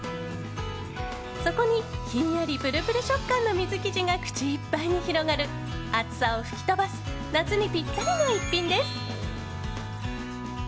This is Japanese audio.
そこに、ひんやりぷるぷる食感の水生地が口いっぱいに広がる暑さを吹き飛ばす夏にぴったりな一品です。